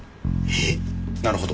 なるほど。